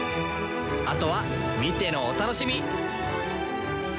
あとは見てのお楽しみ！